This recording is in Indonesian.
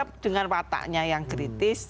pdip tetap dengan wataknya yang kritis